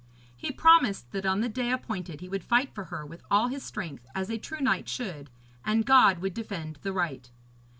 He promised that on the day appointed he would fight for her with all his strength, as a true knight should, and God would defend the right.